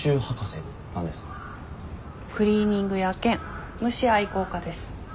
クリーニング屋兼虫愛好家です。